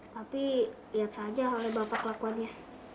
tapi lihat saja oleh bapak kelakuannya